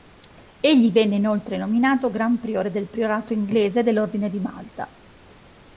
Egli venne inoltre nominato Gran Priore del Priorato inglese dell'Ordine di Malta.